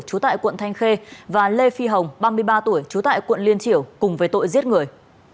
trú tại quận thanh khê và lê phi hồng ba mươi ba tuổi trú tại quận liên triểu cùng với tội giết người